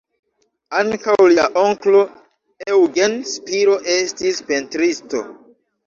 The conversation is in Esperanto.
Ankaŭ lia onklo, Eugen Spiro estis pentristo.